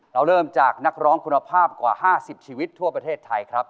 เราเริ่มจากนักร้องคุณภาพกว่า๕๐ชีวิตทั่วประเทศไทยครับ